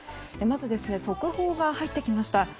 まず、速報が入ってきました。